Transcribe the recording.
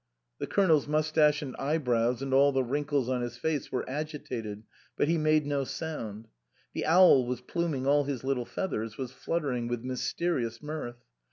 The Colonel's mous tache and eyebrows and all the wrinkles on his face were agitated, but he made no sound. The owl was pluming all his little feathers, was fluttering with mysterious mirth.